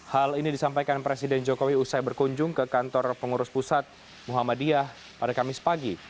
hal ini disampaikan presiden jokowi usai berkunjung ke kantor pengurus pusat muhammadiyah pada kamis pagi